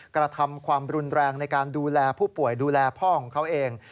กระทำความรุนแรงในการดูแลผู้ป่วยดูแลพ่อของเขาเอง